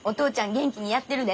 元気にやってるで。